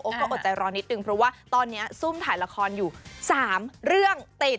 ก็อดใจรอนิดนึงเพราะว่าตอนนี้ซุ่มถ่ายละครอยู่๓เรื่องติด